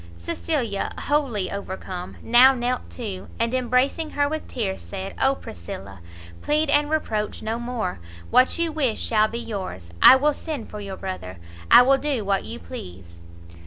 Cecilia, wholly overcome, now knelt too, and embracing her with tears, said "Oh Priscilla, plead and reproach no more! what you wish shall be yours, I will send for your brother, I will do what you please!"